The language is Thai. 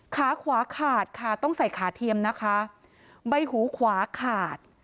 ขาขวาขาดค่ะต้องใส่ขาเทียมนะคะใบหูขวาขาด